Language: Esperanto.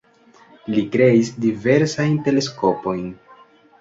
Li kreis diversajn teleskopojn.